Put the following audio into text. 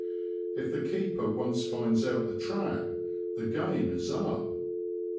If the keeper once finds out the trap the game is up.